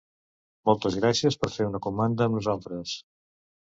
Moltes gràcies per fer una comanda amb nosaltres.